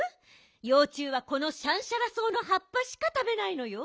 ようちゅうはこのシャンシャラ草のはっぱしかたべないのよ。